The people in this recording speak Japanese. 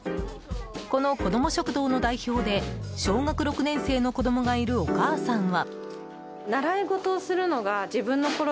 このこども食堂の代表で小学６年生の子供がいるお母さんは。